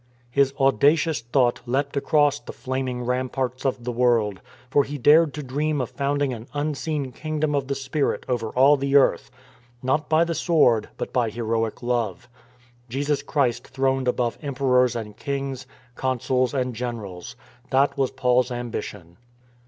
His audacious thought leapt across " the flaming ramparts of the world," for he dared to dream of founding an unseen kingdom of the Spirit over all the earth, not by the sword, but by heroic love; Jesus Christ throned above emperors and kings, consuls and generals. That was Paul's ambition.